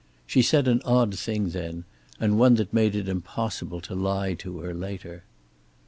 She said an odd thing then, and one that made it impossible to lie to her later.